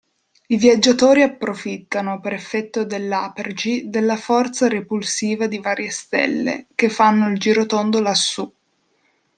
I viaggiatori approfittano, per effetto dell'apergy, della forza repulsiva di varie stelle, che fanno il girotondo lassù…